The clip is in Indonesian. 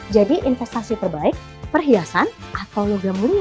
jadi investasi terbaik perhiasan atau logam muria